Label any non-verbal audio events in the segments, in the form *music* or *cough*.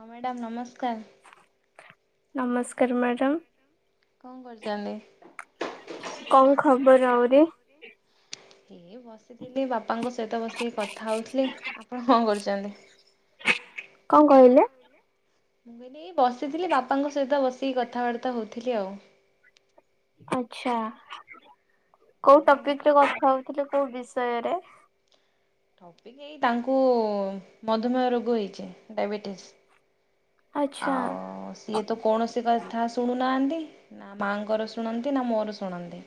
ହଁ ମ୍ୟାଡ଼ାମ୍ ନମସ୍କାର। ନମସ୍କାର ମ୍ୟାଡ଼ାମ୍। କଣ କରିଛନ୍ତି। କଣ ଖବର ଆହୁରି? ହେ ବସିଥିଲି ବାପାଙ୍କ ସହିତ ବସିକି କଥା ହେଉଥିଲି ଆପଣ କଣ କରୁଛନ୍ତି? କଣ କହିଲେ? ମୁଁ କଇଲି ଏ ବସିଥିଲି ବାପାଙ୍କ ସହିତ ବସିକି କଥାବାର୍ତ୍ତା ହଉଥିଲି ଆଉ। ଆଚ୍ଛା କୋଉ ଆପଣ କଣ? ଟପିକ୍ ରେ କଥା ହଉଥିଲେ କୋଉ ବିଷୟରେ? ଟପିକ୍ ଏଇ ତାଙ୍କୁ ମଧୁମେହ ରୋଗ ହେଇଛି ଡାଇବେଟିସ୍। ଆଚ୍ଛା। ଆଉ ସିଏ ତ କୌଣସି କା କଥା ଶୁଣୁନାହାନ୍ତି ନା ମାଆଙ୍କର ଶୁଣନ୍ତି ନା ମୋର ଶୁଣନ୍ତି।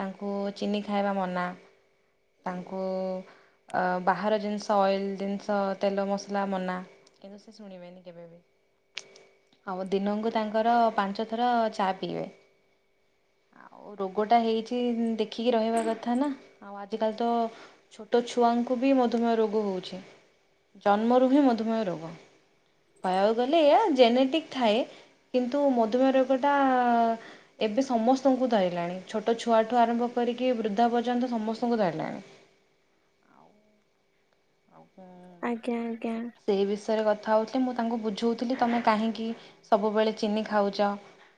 ତାଙ୍କୁ ଚିନି ଖାଇବା ମନା। ତାଙ୍କୁ ଅ ବାହାର ଜିନିଷ ଅଏଲ ଜିନିଷ ତେଲ ମସଲା ମନା। ଶୁଣିବେନି କେବେ ବି। ଆଉ ଦିନଙ୍କୁ ତାଙ୍କର ପାଞ୍ଚ ଥର ଚା ପିଇବେ। ଆଉ ରୋଗଟା ହେଇଛି ଦେଖିକି ରହିବା କଥା ନା। ଆଉ ଆଜିକାଲି ତ ଛୋଟ ଛୁଆଙ୍କୁ ବି ମଧୁମେହ ରୋଗ ହଉଛି। ଜନ୍ମରୁ ହିଁ ମଧୁମେହ ରୋଗ। କହିବାକୁ ଗଲେ ଏୟା ଜେନେଟିକ ଥାଏ। କିନ୍ତୁ ମଧୁମେହ ରୋଗ ଟା ଏବେ ସମସ୍ତଙ୍କୁ ଧଇଲାଣି। ଛୋଟ ଛୁଆଠୁ ଆରମ୍ଭ କରିକି ବୃଦ୍ଧା ପର୍ଯ୍ୟନ୍ତ ସମସ୍ତଙ୍କୁ ଧରିଲାଣି। ଆଉ କ ଆଜ୍ଞା ଆଜ୍ଞା। ସେହି ବିଷୟରେ କଥା ହେଉଥିଲେ। ମୁଁ ତାଙ୍କୁ ବୁଝଉଥିଲି ତମେ କାହିଁକି ସବୁବେଳେ ଚିନି ଖାଉଛ?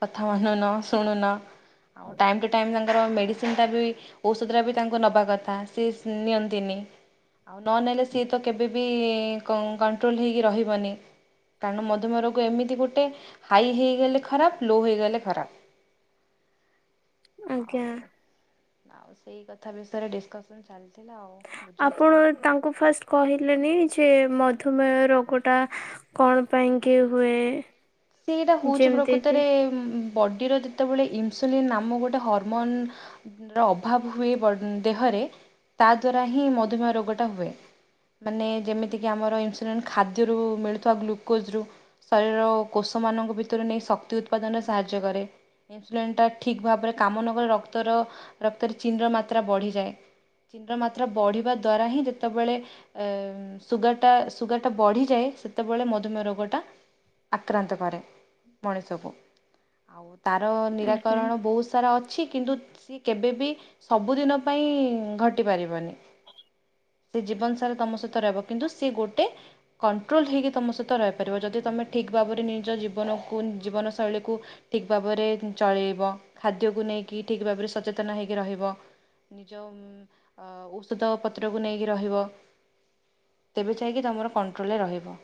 କଥା ମାନୁନ ଶୁଣୁନ। ଆଉ ଟାଇମ୍ ଟୁ ଟାଇମ୍ ତି ତାଙ୍କର ମେଡ଼ିସିନଟା ବି ଔଷଧଟା ବି ତାଙ୍କୁ ନେବା କଥା ସିଏ ନିଅନ୍ତିନି। ଆଉ ନ ନେଲେ ସିଏ ତ କେବେବି କ କଣ୍ଟ୍ରୋଲ ହେଇକି ରହିବନି। କାରଣ ମଧୁମୟ ରୋଗ ଏମିତି ଗୋଟେ ହାଇ ହେଇଗଲେ ଖରାପ ଲୋ ହେଇଗଲେ ଖରାପ। ଆଜ୍ଞା। ଆଉ ଆଉ ସେଇ କଥା ବିଷୟରେ ଡିସକସନ ଚାଲିଥିଲା ଆଉ। ଆପଣ ବୁଝଉଥିଲି ତାଙ୍କୁ ଫାଷ୍ଟ କହିଲେନି ଯେ ମଧୁମେହ ରୋଗଟା କଣ ପାଇଁକି ହୁଏ? ସେଇଟା ହଉଛି ଯେମିତି କି ପ୍ରକୃତରେ ଉଁ ବଡ଼ିର ଯେତେବେଳେ ଇନସୁଲିନ ନାମ ଗୋଟେ ହରମନ ର ଅଭାବ ହୁଏ ଦେହରେ ତା ଦ୍ୱାରା ହିଁ ମଧୁମେହ ରୋଗଟା ହୁଏ। ମାନେ ଯେମିତିକି ଆମର ଇନସୁଲିନ୍ ଖାଦ୍ୟରୁ ମିଳୁଥିବା ଗ୍ଲୁକୋଜ୍ରୁ ଶରୀରର କୋଷ ମାନଙ୍କ ଭିତରୁ ନେଇ ଶକ୍ତି ଉତ୍ପାଦନରେ ସାହାଯ୍ୟ କରେ। ଇନସୁଲିନ୍ ଟା ଠିକ୍ ଭାବରେ କାମ ନ କଲେ ରକ୍ତର ରକ୍ତରେ ଚିନର ମାତ୍ରା ବଢ଼ିଯାଏ। ଚିିନ୍ ର ମାତ୍ରା ବଢିବା ଦ୍ଵାରା ହିଁ ଯେତେବେଳେ ଏ ସୁଗାରଟା ସୁଗାରଟା ବଢିଯାଏ। ସେତେବେଳେ ମଧୁମେହ ରୋଗଟା ଆକ୍ରାନ୍ତ କରେ ମଣିଷକୁ। ଆଉ ତାର ଆଜ୍ଞା। ନିରାକରଣ ବହୁତ ସାରା ଅଛି କିନ୍ତୁ ସିଏ କେବେ ବିି ସବୁଦିନ ପାଇଁ ଘଟିପାରିବନି। ସେ ଜୀବନ ସାରା ତମ ସହିତ ରହିବ। କିନ୍ତୁ ସିଏ ଗୋଟେ କଣ୍ଟ୍ରୋଲ ହେଇକି ତମ ସହିତ ରହିପାରିବ। ଯଦି ତମେ ଠିକ୍ ଭାବରେ ନିଜ ଜୀବନକୁ ଜୀବନ ଶୈଳୀକୁ ଠିକ ଭାବରେ ଚଳେଇବ। ଖାଦ୍ୟକୁ ନେଇକି ଠିକ ଭାବରେ ସଚେତନ ହେଇକି ରହିବ। ନିଜ ଔଷଧ ପତ୍ରକୁ ନେଇକି ରହିବ। ତେବେ ଯାଇକି ତମର କଣ୍ଟ୍ରୋଲରେ ରହିବ।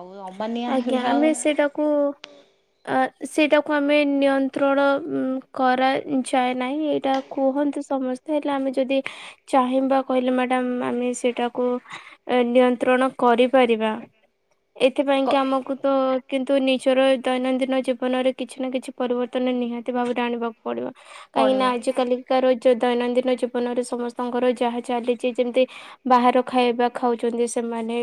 ଆଉ ଅମ୍ବାନି ଆଜ୍ଞା ଆମେ ସେଇଟାକୁ *inaudible* ଅ ସେଇଟାକୁ ଆମେ ନିୟନ୍ତ୍ରଣ ଉଁ କରାଯାଏ ନାହିଁ। ଏଇଟା କୁହନ୍ତି ସମ ତାହେଲେ ଆମେ ଯଦି ଚାହିଁବା କହିଲେ ମ୍ୟାଡାମ ଆମେ ସେଇଟାକୁ ଏ ନିୟନ୍ତ୍ରଣ କରିପାରିବା ଏଥିପାଇଁ କି ଆମକୁ ତ କିନ୍ତୁ ନିଜର ଦୈନନ୍ଦିନ ଜୀବନରେ କିଛି ନା କିଛି ପରିବର୍ତ୍ତନ ନିହାତି ଭାବରେ ଆଣିବାକୁ ପଡିବ ପଡ଼ିବ। କାହିଁକି ପଡ଼ିବ। ନା ଆଜିିକାଲି ଦୈନନ୍ଦିନ ଜୀବନରେ ସମସ୍ତଙ୍କର ଯାହା ଚାଲିଛି ଯେମତି ବାହାର ଖାଇବା ଖାଉଛନ୍ତି ସେମାନେ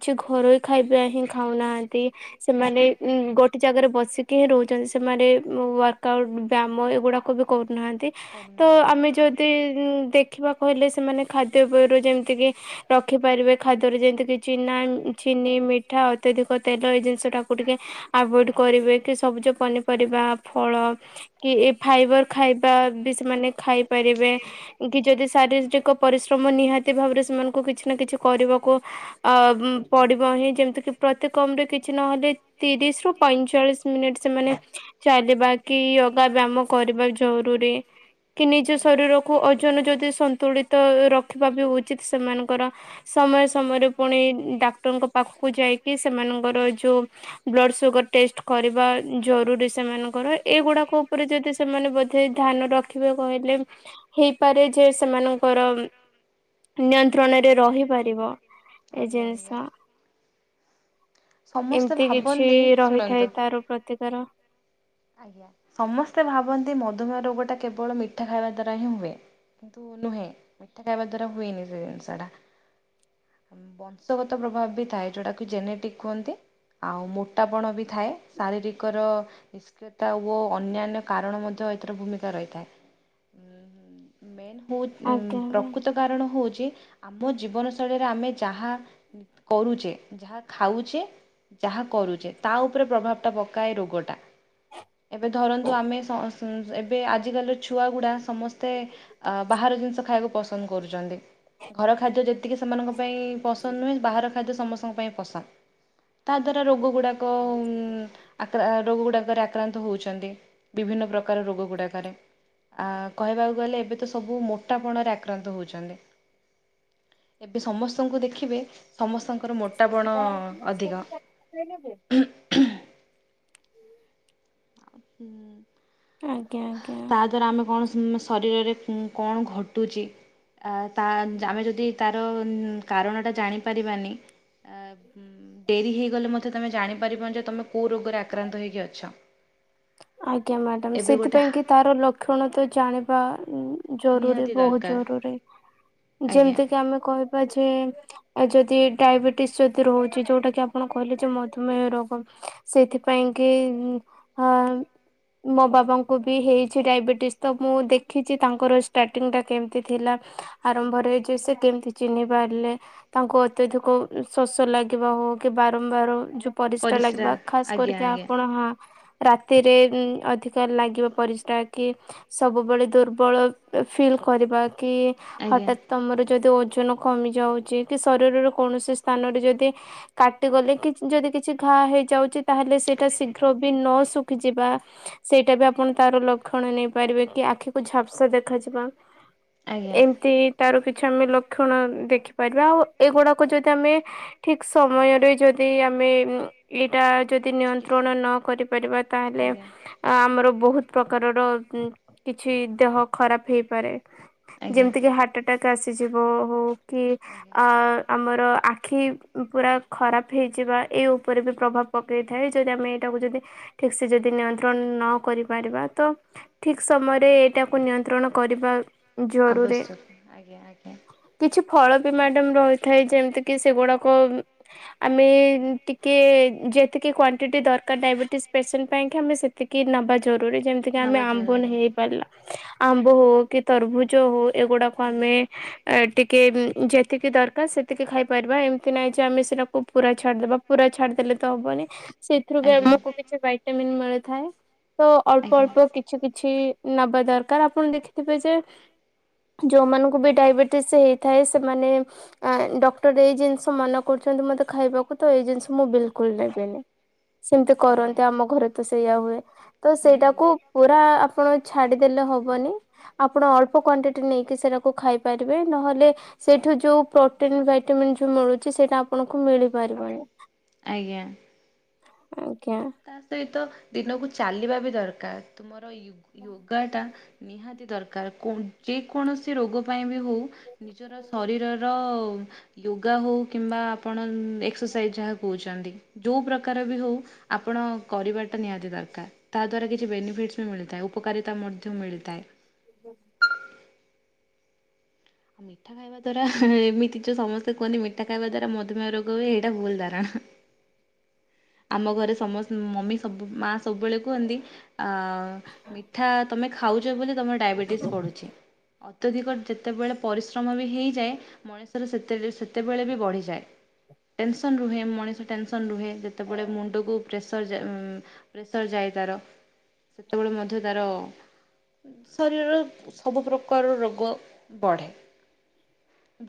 କିଛି ଘରୋଇ ଖାଇବା ହିଁ ଖାଉନାହାନ୍ତି ସେମାନେ ଗୋଟେ ଜାଗାରେ ବସିକି ହିଁ ରହୁଛନ୍ତି ସେମାନେ ୱାର୍କଆଉଟ୍ ବ୍ୟାୟାମ ଏଗୁଡ଼ାକ ବି କରୁନାହାଁନ୍ତି। ତ କରୁନାହାନ୍ତି। ଆମେ ଯଦି ଦେଖିବା କହିଲେ ସେମାନେ ଖାଦ୍ୟପେୟରୁ ଯେମିତିକି ରଖି ପାରିବେ ଖାଦ୍ୟରେ ଯେମିତି କିଛି ଚିନି ମିଠା ଅତ୍ୟଧିକ ତେଲ ଏଇ ଜିନିଷଟାକୁ ଟିକେ ଆଭଏଡ କରିବେ କି ସବୁଜ ପନିପରିବା ଫଳ କି ଏ ଫାଇବର। ଖାଇବା ବି ସେମାନେ ଖାଇପାରିବେ କି ଯଦି ଶାରୀରିକ ପରିଶ୍ରମ ନିହାତି ଭାବରେ ସେମାନଙ୍କୁ କିଛି ନା କିଛି କରିବାକୁ ପଡ଼ିବ ହିଁ ଯେମିତି କିି ପ୍ରତି କମ ରେ କିଛି ନହେଲେ ତିରିଶ ରୁ ପଇଁଚାଳିଶ ମିନିଟ ସେମାନେ ଚାଲିବା କି ଯୋଗା ବ୍ୟାୟମ କରିବା ଜରୁରୀ। କି ନିଜ ଶରୀରକୁ ଓଜନ ଯଦି ସନ୍ତୁଳିତ ରଖିବା ବି ଉଚିତ ସେମାନଙ୍କର ସମୟ ସମୟରେ ପୁଣି ଡାକ୍ତରଙ୍କ ପାଖକୁ ଯାଇକି ସେମାନଙ୍କର ଯୋଉ ବ୍ଲଡ଼ ସୁଗର ଟେଷ୍ଟ କରିବା ଜରୁରୀ ସେମାନଙ୍କର ଏଗୁଡାକ ଉପରେ ଯଦି ସେମାନେ ବୋଧେ ଧ୍ୟାନ ରଖ। ରଖିବ କହିଲେ ହେଇପାରେ ଯେ ସେମାନଙ୍କର ନିୟନ୍ତ୍ରଣରେ ରହିପାରିବ। ଏ ଆଜ୍ଞା ଜିନିଷ ଆଜ୍ଞା। ସମସ୍ତେ ଏମିତି କିଛି ଭାବନ୍ତି ଶୁଣନ୍ତୁ ରହିଥାଏ ତା ତାର ପ୍ରତିକାର। ଆଜ୍ଞା ସମସ୍ତେ ଭାବନ୍ତି ମଧୁମେହ ରୋଗ ଟା କେବଳ ମିଠା ଖାଇବା ଦ୍ଵାରା ହିଁ ହୁଏ। କିନ୍ତୁ ନୁହେଁ ମିଠା ଖାଇବା ଦ୍ଵାରା ହୁଏନି ସେ ଜିନିଷ ଟା ବଂଶଗତ ପ୍ରଭାବ ବି ଥାଏ ଯୋଉଟା କି ଜେନେଟିକ୍ କୁହନ୍ତି। ଆଉ ମୋଟାପଣ ବି ଥାଏ ଶାରୀରିକର ଓ ଅନ୍ୟାନ୍ୟ କାରଣ ମଧ୍ୟ ଏଥିର ଭୂମିକା ରହିଥାଏ ମେନ ହ ଆଜ୍ଞା ଆଜ୍ଞା ପ୍ରକୃତ କାରଣ ହଉଛି ଆମ ଜୀବନ ଶୈଳୀରେ ଆମେ ଯାହା କରୁଛେ ଯାହା ଖାଉଛେ ଯାହା କରୁଛେ ତା ଉପରେ ପ୍ରଭାବ ଟା ପକାଏ ରୋଗ ଟା। ଏବେ ଧରନ୍ତୁ ଆମେ ଏବେ ଆଜିିକାଲି ଛୁଆ ଗୁଡା ସମସ୍ତେ ବାହାର ଜିନିଷ ଖାଇବାକୁ ପସନ୍ଦ କରୁଛନ୍ତି ଘର ଖାଦ୍ୟ ଯେତିକି ସେମାନଙ୍କ ପାଇଁ ପସନ୍ଦ ନୁହେଁ ବାହାର ଖାଦ୍ୟ ସମସ୍ତଙ୍କ ପାଇଁ ପସନ୍ଦ। ତା ଦ୍ୱାରା ରୋଗଗୁଡାକରେ ଆକ୍ରାନ୍ତ ହଉଛନ୍ତି ବିଭିନ୍ନ ପ୍ରକାର ରୋଗଗୁଡାକରେ କହିବାକୁ ଗଲେ ଏବେ ତ ସବୁ ସବୁ ମୋଟାପଣରେ ଆକ୍ରାନ୍ତ ହେଉଛନ୍ତି। ଏବେ ସମସ୍ତଙ୍କୁ ଦେଖିବେ ସମସ୍ତଙ୍କର ମୋଟା ପଣ ଅଧିକ ନେବେ ହୁଁ ଆଜ୍ଞା ଆଜ୍ଞା ସାର ଆମେ କଣ ଶୁଣିଲେ ଶରୀରରେ କଣ ଘଟୁଛି ତାହା ଆମେ ଯଦି କାରଣଟା ଜାଣିପାରିବାନି ଡେରି ହେଇଗଲେ ମଧ୍ଯ ତମେ ଜାଣିପାରିବ ଯେ ତମେ କୋଉ ରୋଗରେ ଆକ୍ରାନ୍ତ ହେଇକି ଅଛ। ଆଜ୍ଞା ମ୍ୟାଡାମ ଏବେ ଗୋଟେ ସେଥିପାଇଁ କି ତାର ଲକ୍ଷଣ ତ ଜାଣିବା ଜରୁରୀ ନିହାତି ବହୁତ ଦରକାର ଜରୁରୀ ଆଜ୍ଞା। ଯେମିତି କିି ଆମେ କହିବା ଯେ ଆଉ ଯଦି ଡାଇବେଟିସ ଯଦି ରହୁଛି ଯୋଉଟା କି ଆପଣ କହିଲେ ଯେ ମଧୁମେହ ରୋଗ। ସେଇଥିପାଇଁ କି ହା ମୋ ବାବାଙ୍କୁ ବି ହେଇଛି ଡାଇବେଟିସ୍ ତ ମୁଁ ଦେଖିଛି ତାଙ୍କର ଷ୍ଟାର୍ଟିଂଟା କେମିତି ଥିଲା। ଆରମ୍ଭରେ ଯେ ସେ କେମିତି ଚିହ୍ନି ପାରିଲେ। ତାଙ୍କୁ ଅତ୍ୟଧିକ ଶୋଷ ଲାଗିବା ହଉ କି ବାରମ୍ବାର ଯ ପରିସ୍ରା ଲାଗିବା ଖାସ କରିକି ଆପଣ। ହଁ ରାତିରେ ଉଁ ଅଧିକ ଲାଗିବ ପରିସ୍ରା କି। ସବୁବେଳେ ଦୁର୍ବଳ ଫିଲ୍ କରିବା କି ଆଜ୍ଞା। ହଠାତ୍ ତମର ଯଦି ଓଜନ କମିଯାଉଚି କି ଶରୀରର କୌଣସି ସ୍ଥାନରେ ଯଦି। କାଟିଗଲେ କି ଯଦି କିଛି ଘା ହେଇଯାଉଚି ତାହେଲେ ସେଟା ଶୀଘ୍ର ବି ନ ଶୁ ଖୀଜିବା। ସେଇଟା ବି ଆପଣ ତାର ଲକ୍ଷଣ ନେଇପାରିବେ କି ଆଖିକୁ ଝାପ୍ସା ଦେଖାଯିବା। ଆଜ୍ଞା। ଏମିତି। ତାର କିଛି ଆମେ ଲକ୍ଷଣ ଦେଖିପାରିବା ଆଉ ଏଗୁଡାକ ଯଦି ଆମେ ଠିକ ସମୟରେ ଯ ବି ଆମେ ଉଂ ଏଇଟା ଯଦି ନିୟନ୍ତ୍ରଣ ନ କରିପାରିବା ତାହେଲେ। ଆମର ବହୁତ ପ୍ରକାରର। କିଛି ଦେହ ଖରାପ ହେଇପାରେ ଯେମିତି କି ହା ଟା କା ଆସିଯିବ ହଉକି। ଅ ଆମର ଆଖି ପୁରା ଖରାପ ହେଇଯିବା ଏଇ ଉପରେ ବି ପ୍ରଭା ପକେଇଥାଏ ଯଦି ଆମେ ଏଇଟାକୁ ଯଦି ଠିକ୍ ସେ ଯଦି ନିୟନ୍ତ୍ରଣ ନ କରିପାରିବା ତ। ଠିକ୍ ସମୟରେ ଏଇଟାକୁ ନିୟନ୍ତ୍ରଣ କରିବା। ଜରୁରୀ ଆବଶ୍ୟକ ଆଜ୍ଞା ଆଜ୍ଞା କିଛି ଫଳ ବି ମ୍ୟାଡାମ ରହିଥାଏ ଯେମିତି କି ସେଗୁଡାକ। ଆମେ ଟିକେ ଯେତିକି କୋ *unintelligible* ଦରକାର ଡାଇବେଟିସ୍ ପେସେଣ୍ଟ ପାଇଁକି ଆମେ ସେତିକି ନବା ଜରୁରୀ ଯେମିତିକ ଆମ୍ବ ନେହି ଲା ଆମ୍ବ ନେଇପାରିବା ହଉ କି ତରଭୁଜ ହଉ। ଏଗୁଡାକୁ ଆମେ ଏ ଟିକେ ଯେତିକି ଦରକାର ସେ ତିକି ଖାଇପାରିବା ଏମିତି ନାଇଁ ଯେ ଆମେ ସେଟାକୁ ପୁରା ଛାଡ଼ିଦବା ପୁରା ଛାଡ଼ିଦେଲେ ତ ହବନି। ସେଥିରୁ ବି ଆମକୁ କିଛି ଭାଇଟାମିନ୍ ମିଳିଥାଏ ତ ଅଳ୍ପ ଅଳ୍ପ କିଛି କିଛି। ନବା ଦରକାର ଆପଣ ଦେଖିଥିବେ ଯେ। ସମସ୍ତେ ଯୋଉମାନଙ୍କୁ ବି ଡାଇବେଟିସ୍ ହେଇଥାଏ ସେମାନେ ଆଁ ଡ ଡକ୍ଟର ଏଇ ଜିନିଷ ମନା କରୁଛନ୍ତି ମତେ ଖାଇବାକୁ ତ ଏଇ ଜିନିଷ ମୁଁ ବିଲକୁଲ୍ ନେବିନି। ସେମିତି କରନ୍ତି ଆମ ଘରେ ତ ସେଇଆ ହୁଏ। ତ ସେଇଟାକୁ ପୁରା ଆପଣ ଛାଡିଦେଲେ ହବନି। ଆପଣ ଅଳ୍ପ କ୍ୱାଣ୍ଟିଟି ନେଇକି ସେରାକୁ ଖାଇପାରିବେ ନହେଲେ। ସେଇଠୁ ଯୋଉ ପ୍ରୋଟିନ ଭାଇଟାମିନ୍ ଯୋଉ ମିଳୁଚି ସେଇଟା ଆପଣଙ୍କୁ ମିଳି ପାରିବନି। ଆଜ୍ଞା। ଆଜ୍ଞା। ତା ସହିତ ଦିନକୁ ଚାଲିବା ବି ଦରକାର ତୁମର ୟୁ ୟୋଗା ଟା। ନିହାତି ଦରକାର କୁ ଯେ କୌଣସି ରୋଗ ପାଇଁ ବି ହଉ। ନିଜର ଶରୀରର। ୟୋଗା ହଉ କିମ୍ବା ଆପଣ ଏକ୍ସରସାଇଜ୍ ଯାହା କହୁଛନ୍ତି ଯଉ ପ୍ରକାର ବି ହଉ। ଆପଣ କରିବାଟା ନିହାତି ଦରକାର। ତା ଦ୍ବାରା କିଛି ବେନିଫିଟ୍ସ୍ ବି ମିଳିଥାଏ ଉପକାରିତା ମଧ୍ୟ ମିଳିଥାଏ। ଅ ମିଠା ଖାଇବା ଦ୍ବାରା ଏମିତି ଯୋ ସମସ୍ତେ କୁହନ୍ତି ମିଠାଖାଇବା ଦ୍ବାରା ମଧୁମେହ ରୋଗ ହୁଏ ଏଇଟା ଭୁଲ ଧାରଣା। ଆମ ଘରେ ସମସ୍ତ ମମି ସବୁ ମା ସବୁବେଳେ କୁହନ୍ତି ମି। ମିଠା ତୁମେ ଖାଉଛ ବୋଲି ତୁମର ଡାଇବେଟିସ୍ ପଡ଼ୁଛି। ଅତ୍ୟଧିକ ଯେତେବେଳେ ପରିଶ୍ରମ ବି ହୋଇଇଯାଏ ମଣିଷର ସେ ସେତେବେଳେ ବି ବଢ଼ିଯାଏ। ଟେନସନ ରୁହେ ମଣିଷ ଟେନସନ ରୁହେ। ସେପଟେ ମୁଣ୍ଡକୁ ପ୍ରେସର ପ୍ରେସର ଯାଇ ତାର। ସେତେବେଳେ ମଧ୍ୟ ତାର ଶରୀରରେ ସବୁ ପ୍ରକାର ରୋଗ ବଢ଼େ।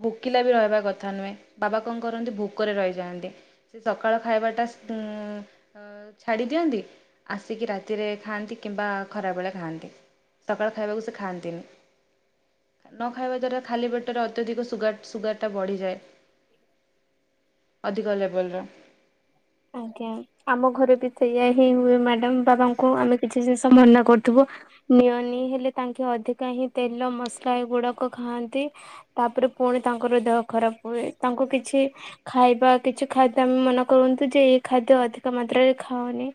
ଭୋକିଲା ବି ରହିବା କଥା ନୁହେଁ ବାବା କଣ କରନ୍ତି ଭୋକରେ ରହିଯାଆନ୍ତି। ସେ ସକାଳ ଖାଇବାଟା ଉ ଛାଡ଼ି ଦିଅନ୍ତି ଆସିକି ରାତିରେ ଖାଆନ୍ତି କିମ୍ବା ଖରାବେଳେ ଖାଆନ୍ତି। ସକାଳ ଖାଇବାକୁ ସେ ଖାଆନ୍ତିନି। ନ ଖାଇବା ଦ୍ଵାରା ଖାଲି ପେଟରେ ଅତ୍ୟଧିକ ସୁଗାର ସୁଗାର ଟା ବଢିଯାଏ। ଅଧିକ ଲେବଲ ରୁ। ଆଜ୍ଞା। ଆମ ଘରେ ବି ସେଇଆ ହିଁ ହୁଏ ମ୍ୟାଡାମ ବାବାଙ୍କୁ ଆମେ କିଛି ଜିନିଷ ମନା କରୁଥିବୁ। ନିଅନି ହେଲେ ତାଙ୍କେ ଅଧିକା ହିଁ ତେଲ ମସଲା ଏଗୁଡାକ ଖାଆନ୍ତି। ତାପରେ ପୁଣି ତାଙ୍କର ଦେହ ଖରାପ ହୁଏ ତାଙ୍କୁ କିଛି। ଖାଇବା କିଛି ଖାଦ୍ୟ ଆ ମନେ କରନ୍ତୁ ଯେ ଏଇ ଖାଦ୍ୟ ଅଧିକ ମାତ୍ରାରେ ଖାଅନି।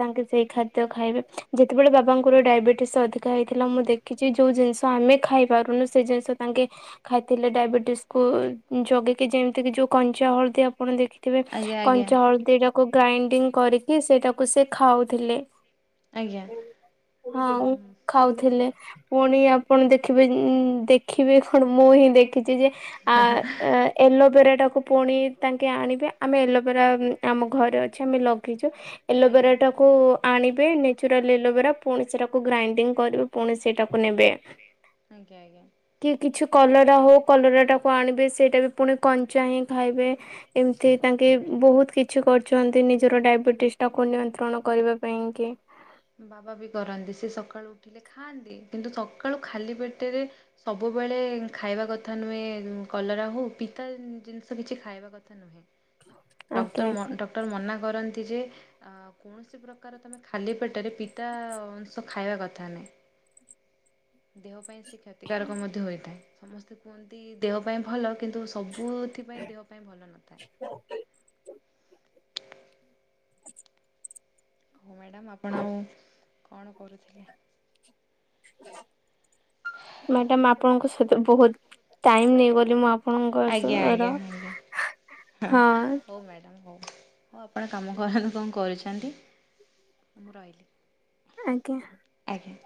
ତାଙ୍କେ ସେଇ ଖାଦ୍ୟ ଖାଇବେ ଯେତେବେଳେ ବାବାଙ୍କର ଡାଇବେଟିସ ଅଧିକା ହେଇଥିଲା ମୁଁ ଦେ କିଛି ଯୋଉ ଜିନିଷ ଆମେ ଖାଇ ପାରୁନୁ ସେ ଜିନିଷ ତାଙ୍କେ ଖାଇଥିଲେ ଡାଇବେଟିସକୁୁ ଜଗେଇକି ଯେମିତି କି ଯୋଉ କଞ୍ଚା ହଳଦୀଆ ପଣ ଦେଖିକି। ଆଜ୍ଞା ଆଜ୍ଞା କଞ୍ଚା ହଳଦୀ ଟାକୁ ଗ୍ରାଇଣ୍ଡିଙ୍ଗ କରିକି ସେଇଟାକୁ ସେ ଖାଉଥିଲେ। ଆଜ୍ଞା। ହଁ ଖାଉଥିଲେ। ପୁଣି ଆପଣ ଦେଖିବେ ଦେଖିବେ କଣ ମୁଁ ହିଁ ଦେ ଲୋଭରାାକୁ ପୁଣି ତାଙ୍କେ ଆଣିବେ ଆମେ ପରା ଆମ ଘରେ ଅଛି ଆମେ ଲଗେଇଛୁ। ଆଜ୍ଞା ଏଲୋଭେରାଟାକୁ ଆଣିବେ ନ୍ୟାଚୁରାଲ୍ ଏଲୋଭେରା ପୁଣି ସେଇଟାକୁ ଗ୍ରାଇଣ୍ଡିଙ୍ଗ କରିବେ ପୁଣି ସେଇଟାକୁ ନେବେ। ଆଖା ଆଜ୍ଞା କି କିଛି କଲରା ହଉ କଲରାଟାକୁ ଆଣିବେ ସେଇଟା ବି ପୁଣି କଞ୍ଚା ହିଁ ଖାଇବେ। ଏମିତି ତାଙ୍କ କି ବହୁତ କିଛି କରୁଛନ୍ତି ନିଜର ଡାଇବେଟିସ୍ଟାକୁ ନିୟନ୍ତ୍ରଣ କରିବା ପାଇଁକି। ବାବା ବି କରନ୍ତି ସେ ସକାଳୁ ଉଠିଲେ ଖାଆନ୍ତି କିନ୍ତୁ ସକାଳୁ ଖାଲି ପେଟରେ ସବୁବେଳେ ଖାଇବା କଥା ନୁହେଁ କଲରା ହଉ ପିତା ଜିନିଷ କିଛି ଖାଇବା କଥା। ନୁହେଁ। ଡ ଆଜ୍ଞା ଆଜ୍ଞା ଡକ୍ଟର ମନା କରନ୍ତି ଯେ କୌଣସି ପ୍ରମେ ଖାଲି ପେଟ ପିତା ଅଂଶ ଖାଇବା କଥା ନ ଦେହ ପାଇଁ କ୍ଷତିକାରକ ମଧ୍ୟ ହୋଇଥାଏ। ସମସ୍ତେ କୁହନ୍ତି ଦେହ ପାଇଁ ଭଲ କିନ୍ତୁ ସବୁଥିପାଇଁ ଦେହ ପାଇଁ ଭଲ ନଥାଏ। *inaudible* ହଉ ମ୍ୟାଡ଼ାାମ ଆପଣ ଆଉ କଣ କରୁଥିଲେ? ମ୍ୟାଡାମ ଆପଣଙ୍କ ସହିତ ବହୁତ ଟାଇମ ନେଇଗଲି ମୁଁ ଆଜ୍ଞା ଆପଣଙ୍କର ଆଜ୍ଞା ଆଜ୍ଞା। ହଁ। ହ ହଉ ଆପଣ କାମ କରନ୍ତୁ କଣ କରୁଛନ୍ତି ମୁଁ ରହିଲି। ଆଜ୍ଞା। ଆଜ୍ଞା।